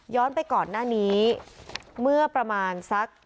ไปก่อนหน้านี้เมื่อประมาณสัก